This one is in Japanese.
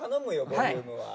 ボリュームは。